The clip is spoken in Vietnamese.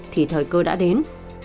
thì thời cơ đã đến